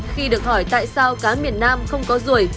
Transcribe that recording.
khi được hỏi tại sao cá miền nam không có ruồi